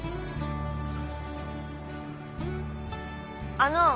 あの。